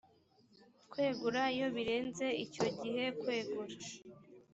kwegura iyo birenze icyo gihe kwegura